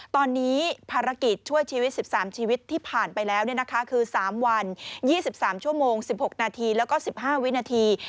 ตอนนี้ภารกิจช่วยชีวิต๑๓ชีวิตที่ผ่านไปแล้วคือ๓วัน๒๓ชั่วโมง๑๖นาทีแล้วก็๑๕วินาที